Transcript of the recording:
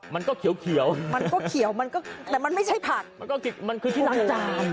มันก็เขียวมันก็เขียวมันก็แต่มันไม่ใช่ผักมันก็กินมันคือที่ล้างจาน